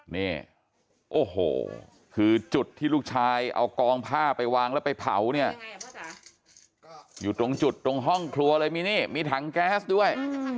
นี่โอ้โหคือจุดที่ลูกชายเอากองผ้าไปวางแล้วไปเผาเนี่ยอยู่ตรงจุดตรงห้องครัวเลยมีนี่มีถังแก๊สด้วย